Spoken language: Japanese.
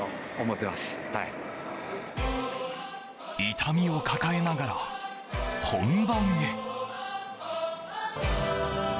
痛みを抱えながら本番へ。